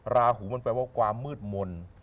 ราหูมันแปลว่าความมืดมนต์